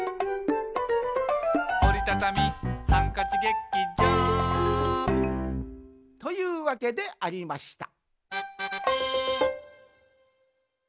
「おりたたみハンカチ劇場」というわけでありました